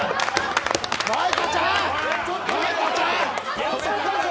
舞香ちゃん！